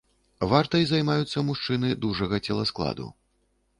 Вартай займаюцца мужчыны дужага целаскладу.